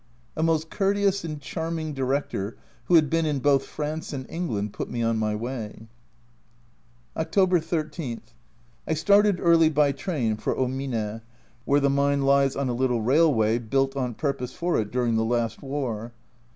A most courteous and charming Director, who had been in both France and England, put me on my way. October 13. I started early by train for Omine, where the mine lies on a little railway built on purpose for it during the last war.